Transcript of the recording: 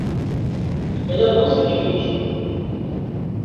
Ela não se dirige.